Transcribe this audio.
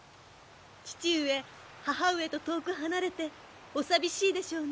父上母上と遠く離れてお寂しいでしょうね。